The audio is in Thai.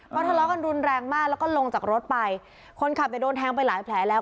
เขาทะเลาะกันรุนแรงมากแล้วก็ลงจากรถไปคนขับเนี่ยโดนแทงไปหลายแผลแล้ว